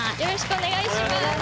お願いします。